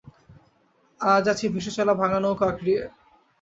আজ আছি ভেসে-চলা ভাঙা নৌকো আঁকড়িয়ে।